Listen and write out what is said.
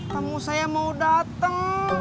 kamu saya mau dateng